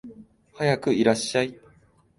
はやくいらっしゃい